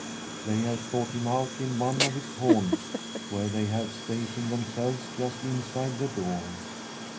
They have sought him out in one of his haunts, where they have stationed themselves just inside the door.